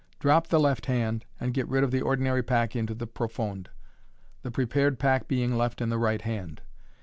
Drop the left hand, and get rid of the ordinary pack into the profonde, the prepared pack being left in the right hand.